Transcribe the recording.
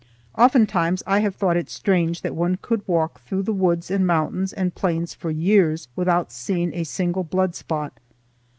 Oftentimes I have thought it strange that one could walk through the woods and mountains and plains for years without seeing a single blood spot.